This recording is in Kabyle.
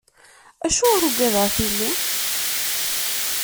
Acuɣer ugadeɣ tili?